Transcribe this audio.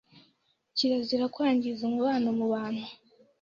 Kirazira kwangiza umubano mu bantu